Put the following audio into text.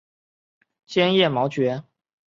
坚叶毛蕨为金星蕨科毛蕨属下的一个种。